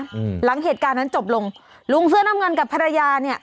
อืมหลังเหตุการณ์นั้นจบลงลุงเสื้อน้ำเงินกับภรรยาเนี้ย